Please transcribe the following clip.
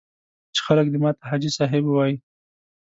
چې خلک دې ماته حاجي صاحب ووایي.